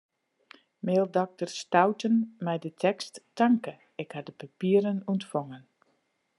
Mail dokter Stouten mei de tekst: Tanke, ik ha de papieren ûntfongen.